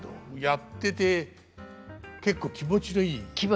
やってて結構気持ちのいい。